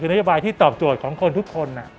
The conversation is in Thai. คือนโยบายที่ตอบโจทย์ของคนทุกคน